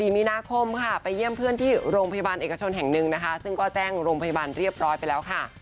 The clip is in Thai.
มีนาคมค่ะไปเยี่ยมเพื่อนที่โรงพยาบาลเอกชนแห่งหนึ่งนะคะซึ่งก็แจ้งโรงพยาบาลเรียบร้อยไปแล้วค่ะ